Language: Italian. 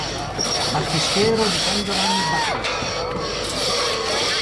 Battistero di San Giovanni Battista